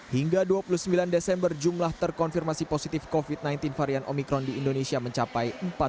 hingga dua puluh sembilan desember jumlah terkonfirmasi positif covid sembilan belas varian omikron di indonesia mencapai empat puluh lima